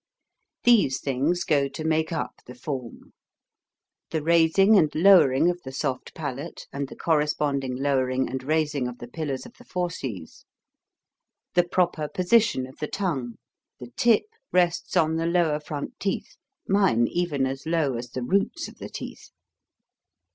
These things go to make up the form : The raising and lowering of the soft palate, and the corresponding lowering and raising of the pillars of the fauces. The proper position of the tongue : the tip rests on the lower front teeth mine even as low as the roots of the teeth.